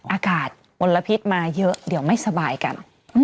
อากาศมลพิษมาเยอะเดี๋ยวไม่สบายกัน